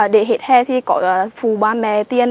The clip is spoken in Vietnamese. để hết hè thì có phù ba mẹ tiền